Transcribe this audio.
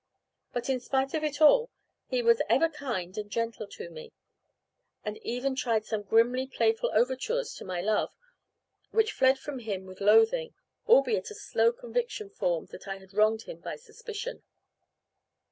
But in spite of all, he was ever kind and gentle to me, and even tried some grimly playful overtures to my love, which fled from him with loathing, albeit a slow conviction formed that I had wronged him by suspicion.